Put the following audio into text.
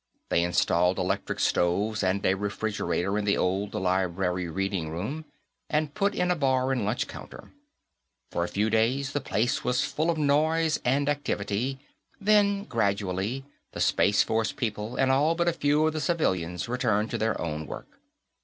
They installed electric stoves and a refrigerator in the old Library Reading Room, and put in a bar and lunch counter. For a few days, the place was full of noise and activity, then, gradually, the Space Force people and all but a few of the civilians returned to their own work.